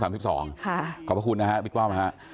ค่ะมิกว้าวมค่ะขอบคุณนะฮะมิกว้าวม